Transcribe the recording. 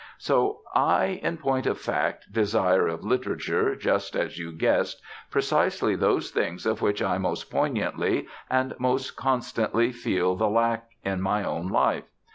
So I in point of fact desire of literature, just as you guessed, precisely those things of which I most poignantly and most constantly feel the lack in my own life.